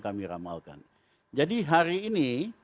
kami ramalkan jadi hari ini